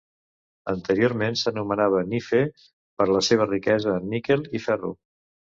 Anteriorment s'anomenava Nife per la seva riquesa en níquel i ferro.